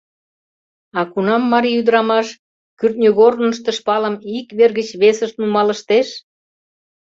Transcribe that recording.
А кунам марий ӱдырамаш кӱртньыгорнышто шпалым ик вер гыч весыш нумалыштеш?